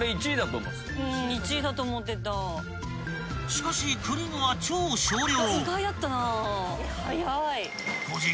［しかしクリームは超少量］